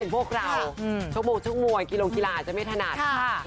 พวกเราชกบกชกมวยกิรงกีฬาจะไม่ทนัดค่ะ